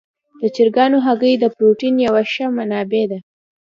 د چرګانو هګۍ د پروټین یوه ښه منبع ده.